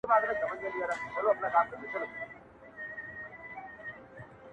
شمع سې پانوس دي کم پتنګ دي کم-